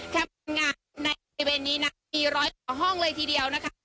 แคมป์คนงานในบริเวณนี้นะมี๑๐๐ห้องเลยทีเดียวนะคะ